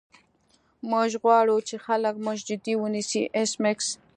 موږ غواړو چې خلک موږ جدي ونیسي ایس میکس